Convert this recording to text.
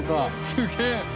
すげえ。